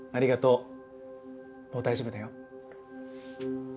もう大丈夫だよ。